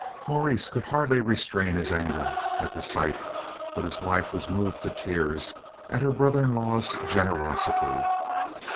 Maurice could hardly restrain his anger at the sight, but his wife was moved to tears at her brother in law's generosity.